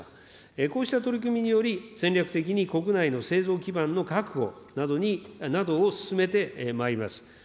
こうした取り組みにより、戦略的に国内の製造基盤の確保などに、などを進めてまいります。